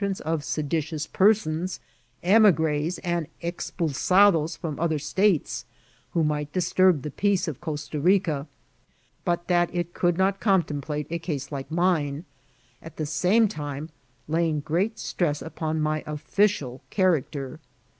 Ml timnce of seditioiis p«r80ii«| emigrte, and expukadcM frmn other states, who mi^t disturb the peace of Costa Bica, but that it could not contemplate a case like minSi at the same time laying great stress upon my official character.